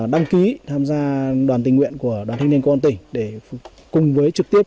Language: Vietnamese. đăng ký tham gia đoàn tình nguyện của đoàn thanh niên công an tỉnh để cùng với trực tiếp